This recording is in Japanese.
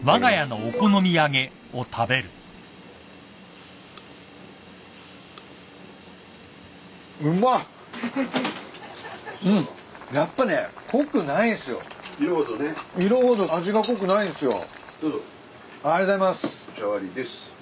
お茶割りです。